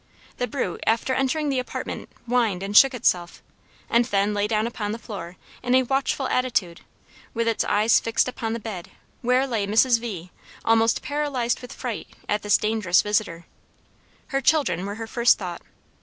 The brute after entering the apartment whined and shook itself, and then lay down upon the floor in a watchful attitude with its eyes fixed upon the bed where lay Mrs. V., almost paralyzed with fright at this dangerous visitor. Her children were her first thought.